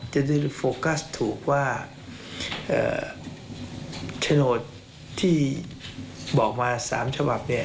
จะได้โฟกัสถูกว่าโฉนดที่บอกมา๓ฉบับเนี่ย